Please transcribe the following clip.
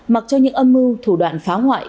mặc cho những âm mưu thủ đoạn phá hoại